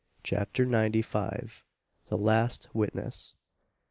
CHAPTER NINETY FIVE. THE LAST WITNESS.